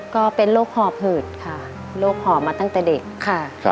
ก็เป็นโรคหอบหืดค่ะโรคหอบมาตั้งแต่เด็กค่ะ